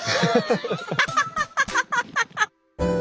アハハハハ！